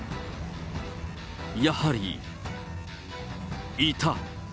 やはり、いた。